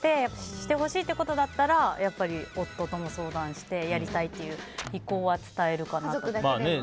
してほしいということだったら夫とも相談してやりたいっていう意向は伝えるかなと。